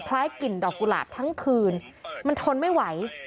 กลิ่นดอกกุหลาบทั้งคืนมันทนไม่ไหว